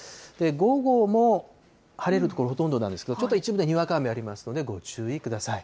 午後も晴れる所ほとんどなんですけど、ちょっと一部、にわか雨ありますので、ご注意ください。